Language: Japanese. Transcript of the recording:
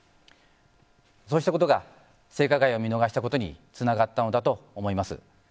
そうしたことが性加害を見逃したことにつながったのだと思います。